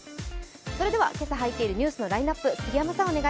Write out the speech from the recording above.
それでは今朝入っているニュースのラインナップです。